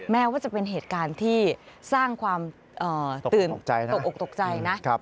แม้ว่าจะเป็นเหตุการณ์ที่สร้างความตื่นตกออกตกใจนะ